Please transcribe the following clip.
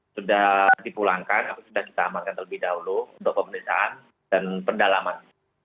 sudah dipulangkan atau sudah kita amankan terlebih dahulu untuk pemeriksaan dan pendalaman